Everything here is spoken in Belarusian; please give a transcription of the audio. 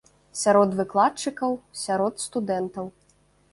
Сярод выкладчыкаў, сярод студэнтаў.